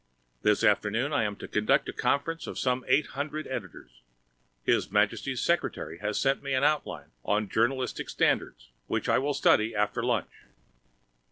This afternoon I am to conduct a conference of some eight hundred editors! His Majesty's secretary has sent me an outline on Journalistic Standards, which I shall study after lunch.